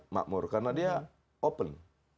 makmur karena dia open